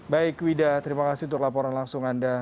baik wida terima kasih untuk laporan langsung anda